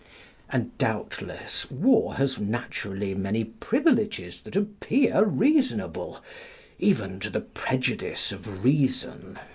And, doubtless, war has naturally many privileges that appear reasonable even to the prejudice of reason.